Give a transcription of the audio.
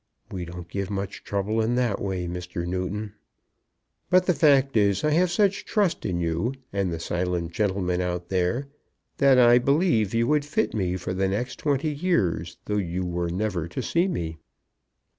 "We don't give much trouble in that way, Mr. Newton." "But the fact is I have such trust in you and the silent gentleman out there, that I believe you would fit me for the next twenty years, though you were never to see me."